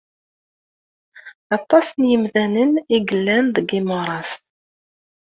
Aṭas n yemdanen i yellan deg imuṛas.